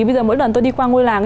bây giờ mỗi lần tôi đi qua ngôi làng